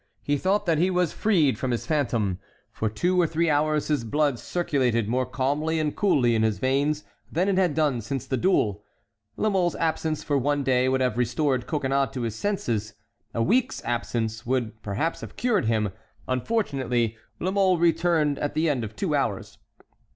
He thought that he was freed from his phantom. For two or three hours his blood circulated more calmly and coolly in his veins than it had done since the duel. La Mole's absence for one day would have restored Coconnas to his senses; a week's absence would perhaps have cured him; unfortunately, La Mole returned at the end of two hours.